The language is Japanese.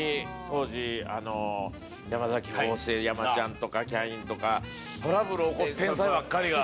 当時山崎邦正山ちゃんとかキャインとか。トラブルを起こす天才ばっかりが。